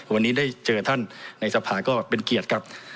วันนี้ได้เจอท่านในสภาก็เป็นเกียรติครับ